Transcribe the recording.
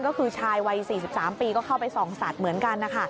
ก็คือชายวัย๔๓ปีก็เข้าไปส่องสัตว์เหมือนกันนะคะ